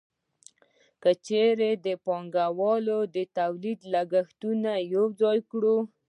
که چېرې د پانګوال د تولید لګښتونه یوځای کړو